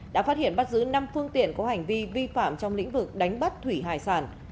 đã phát hiện bắt giữ năm phương tiện có hành vi vi phạm trong lĩnh vực đánh bắt thủy hải sản